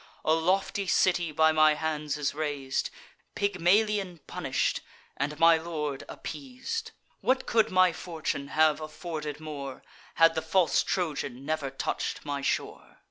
A lofty city by my hands is rais'd, Pygmalion punish'd, and my lord appeas'd. What could my fortune have afforded more, Had the false Trojan never touch'd my shore!"